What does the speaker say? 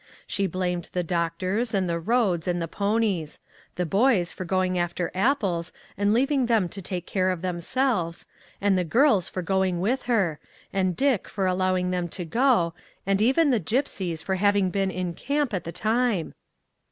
She blamed the doctors, and the roads, and the ponies; the boys for going after apples and leaving them to take care of themselves, and the girls for going with her, and Dick for allowing them to go, and even the gypsies for being in camp at that time